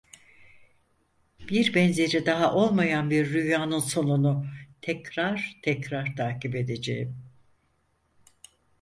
Bir benzeri daha olmayan bir rüyanın sonunu, tekrar, tekrar takip edeceğim.